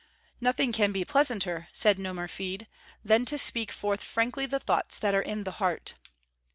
"Nothing can be pleasanter," said Nomerfide, "than to speak forth frankly the thoughts that are in the heart."